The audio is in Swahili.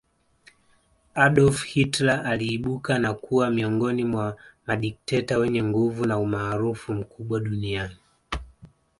Adolf Hitler aliibuka na kuwa miongoni mwa madikteta wenye nguvu na umaarufu mkubwa duniani